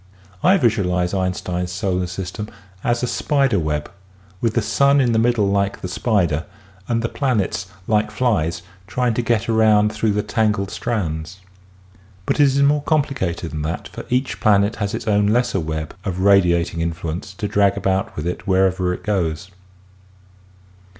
I visualize Einstein's solar system as a spider web with the sun in the middle like the spider and the planets like flies trying to get around through the tangled strands. But it is more complicated than that for each planet has its own lesser web of radiating in fluence to drag about with it wherever it goes.